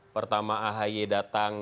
pertama ahy datang